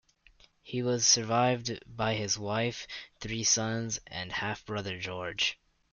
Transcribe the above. He was survived by his wife, three sons and half-brother George.